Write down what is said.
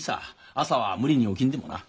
朝は無理に起きんでもな。